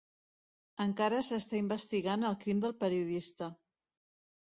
Encara s'està investigant el crim del periodista